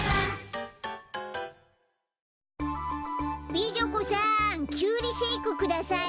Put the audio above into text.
美女子さんきゅうりシェークください。